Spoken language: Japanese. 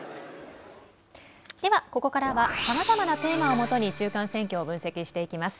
ではここからはさまざまなテーマをもとに中間選挙を分析していきます。